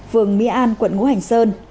phường my an quận ngũ hành sơn